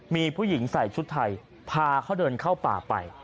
มีผู้หญิงใส่ชุดไทยพาเขาเดินเข้าป่าไป